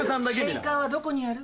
シェーカーはどこにある？